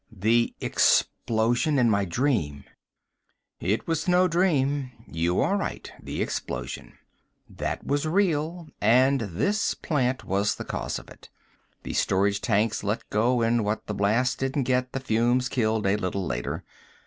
The explosion in my dream." "It was no dream. You are right the explosion. That was real and this plant was the cause of it. The storage tanks let go and what the blast didn't get, the fumes killed a little later.